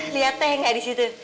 lihat teh nggak di situ